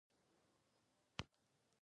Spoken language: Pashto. د کندز په قلعه ذال کې د څه شي نښې دي؟